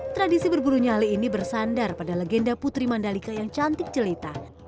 tradisi berburu nyali ini bersandar pada legenda putri mandalika yang cantik jelita